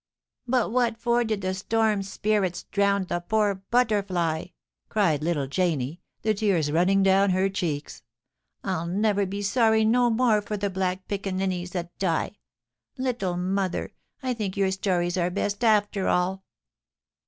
* But what for did the storm spirits drcmrnd the poor but terfly?' cried little Janie, the tears running down her cheeks. * I'll never be sorry no more for the black piccaninies that die. Little mother, I think your stories are best after all.'